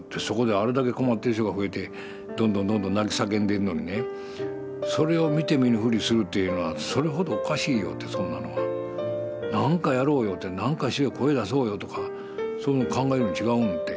そこであれだけ困ってる人が増えてどんどんどんどん泣き叫んでるのにねそれを見て見ぬふりするっていうのはそれほどおかしいよってそんなのは。なんかやろうよってなんかしよう声出そうよとかそういうの考えるん違うん？